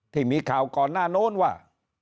ที่มีข่าวก่อนหน้าโน้นว่า